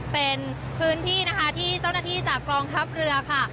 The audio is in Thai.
เป็นพื้นที่นะคะที่เจ้าหน้าที่จากกองทัพเรือค่ะ